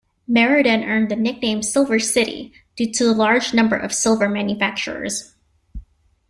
Meriden earned the nickname "Silver City", due to the large number of silver manufacturers.